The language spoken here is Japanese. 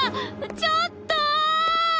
ちょっと！